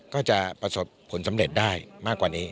ก็จะประสบผลสำเร็จได้มากกว่านี้